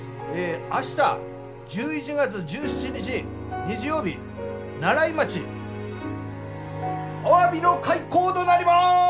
明日１１月１７日日曜日西風町アワビの開口となります！